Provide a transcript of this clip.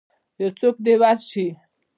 یوڅوک دی ورشئ